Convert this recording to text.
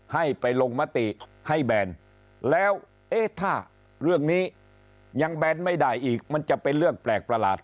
ให้ไปลงมติให้แบนแล้วเอ๊ะถ้าเรื่องนี้ยังแบนไม่ได้อีกมันจะเป็นเรื่องแปลกประหลาด